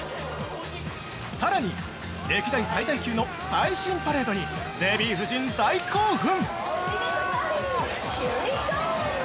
さらに、歴代最大級の最新パレードにデヴィ夫人、大興奮！